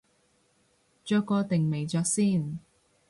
着過定未着先